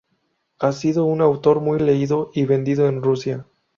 Ha sido un autor muy leído y vendido en Rusia.